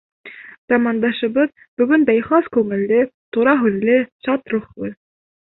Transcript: Замандашыбыҙ бөгөн дә ихлас күңелле, тура һүҙле, шат рухлы.